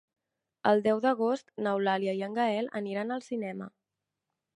El deu d'agost n'Eulàlia i en Gaël aniran al cinema.